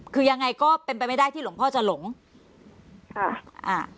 คือยังไงก็เป็นไปไม่ได้ที่หลวงพ่อจะหลงค่ะอ่า